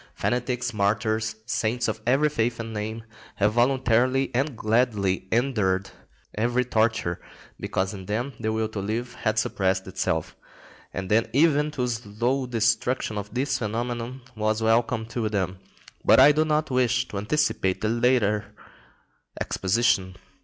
Fanatics, martyrs, saints of every faith and name, have voluntarily and gladly endured every torture, because in them the will to live had suppressed itself; and then even the slow destruction of its phenomenon was welcome to them. But I do not wish to anticipate the later exposition.